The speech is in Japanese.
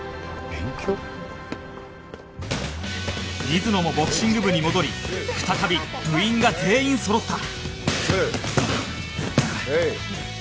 水野もボクシング部に戻り再び部員が全員そろった